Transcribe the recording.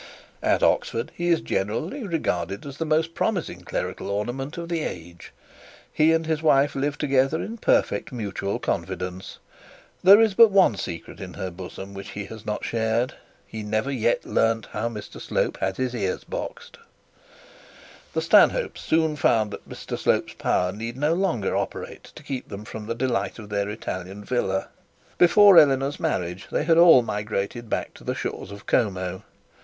At Oxford he is generally regarded as the most promising clerical ornament of the age. He and his wife live together in perfect mutual confidence. There is but one secret in her bosom which he has not shared. He has never yet learned how Mr Slope had his ears boxed. The Stanhopes soon found that Mr Slope's power need no longer operate to keep them from the delight of their Italian villa. Before Eleanor's marriage they had all migrated back to the shores of Como.